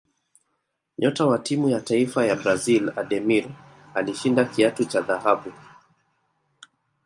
nyota wa timu ya taifa ya brazil ademir alishinda kiatu cha dhahabu